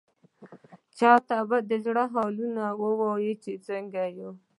چا ته به د زړه حالونه ووايو، چې څنګه يو؟!